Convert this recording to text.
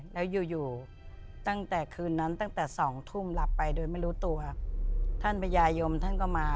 และอยู่ตั้งแต่คืนนั้น๒ทุ่มหลับไปโดยไม่รู้ตัวท่านพญายมท่านก็มา